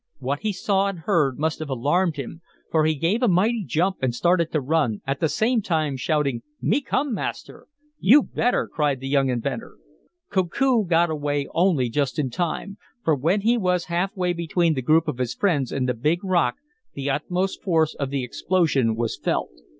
What he saw and heard must have alarmed him, for he gave a mighty jump and started to run, at the same time shouting: "Me come, Master!" "You'd better!" cried the young inventor. Koku got away only just in time, for when he was half way between the group of his friends and the big rock, the utmost force of the explosion was felt.